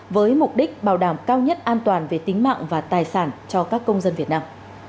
với mục đích bảo đảm cao nhất an toàn về tính mạng và tài sản cho các công dân việt nam